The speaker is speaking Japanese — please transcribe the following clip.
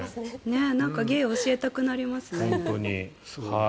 芸を教えたくなりますね。